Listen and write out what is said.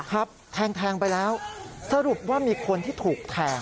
ครับแทงแทงไปแล้วสรุปว่ามีคนที่ถูกแทง